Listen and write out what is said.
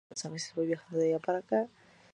No requiere vacío; es más, en el vacío no funciona.